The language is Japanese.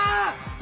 あ。